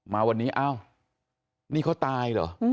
มาวันนี้นี่เขาตายหรอ